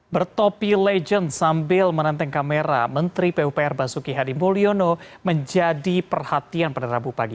bertopi legend sambil menenteng kamera menteri pupr basuki hadi mulyono menjadi perhatian pada rabu pagi